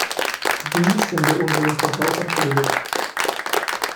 Dies sind wir unseren Verbrauchern schuldig.